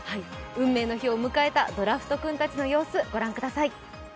運命の日を迎えたドラフト君たちの様子、ご覧ください。